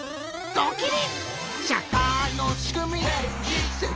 ドキリ！